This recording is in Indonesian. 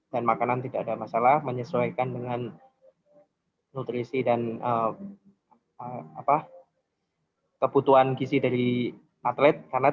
dan makanan tidak ada masalah menyesuaikan dengan nutrisi dan apa kebutuhan gizi dari atlet karena